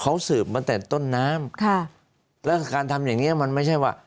เขาสืบมาแต่ต้นน้ำค่ะแล้วการทำอย่างเงี้มันไม่ใช่ว่า